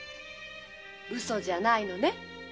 ウソじゃないのね。